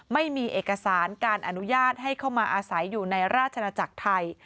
ไม่มีเอกสารการอนุญาตให้เข้ามาอาศัยอยู่ในราชนาจักรไทย